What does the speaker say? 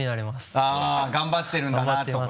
あぁ頑張ってるんだなとか。